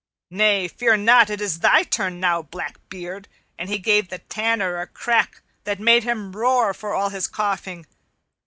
"Nay, fear not, it is thy turn now, black beard." And he gave the Tanner a crack that made him roar for all his coughing.